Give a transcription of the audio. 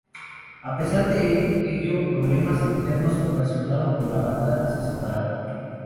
A pesar de ello, problemas internos ocasionaron que la banda se separara.